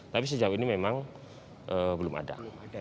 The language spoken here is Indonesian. tapi sejauh ini memang belum ada